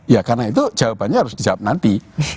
ya karena itu jawabannya harus dijawab nanti